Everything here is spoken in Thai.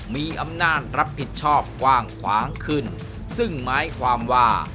มีอำนาจรับผิดชอบกว้างขวางขึ้นซึ่งหมายความว่า